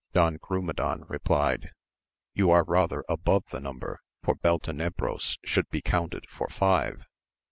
Don Grumedan replied. You are rather above the number, for Beltenebros should be counted for five.